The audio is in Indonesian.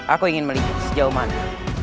aku ingin meliput sejauh mana